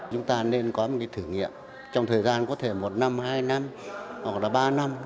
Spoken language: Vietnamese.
chúng ta nên có một cái thử nghiệm trong thời gian có thể một năm hai năm hoặc là ba năm